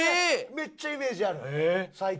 めっちゃイメージある最近。